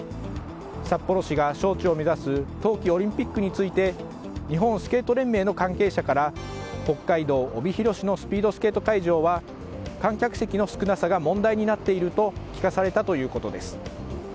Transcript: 札幌市が招致を目指す冬季オリンピックについて日本スケート連盟の関係者から北海道帯広市のスピードスケート会場は観客席の少なさが問題になっていると聞かされたということです。